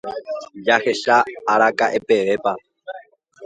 Jahecha araka'epevépa.